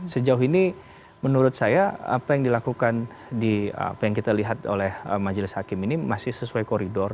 sejauh ini menurut saya apa yang dilakukan di apa yang kita lihat oleh majelis hakim ini masih sesuai koridor